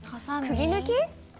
くぎ抜き？